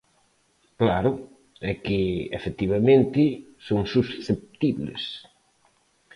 ¡Claro! É que, efectivamente, son susceptibles.